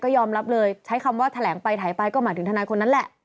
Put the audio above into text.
ยอมรับเลยใช้คำว่าแถลงไปถ่ายไปก็หมายถึงทนายคนนั้นแหละ